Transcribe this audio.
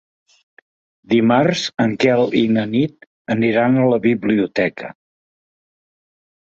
Dimarts en Quel i na Nit aniran a la biblioteca.